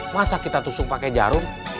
masa kita tusuk pakai jarum